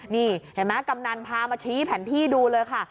นี่เห็นไหมกำนันพามาชี้แผนที่ดูเลยค่ะ